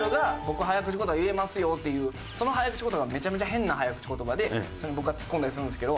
その早口言葉がめちゃめちゃ変な早口言葉でそれに僕がツッコんだりするんですけど。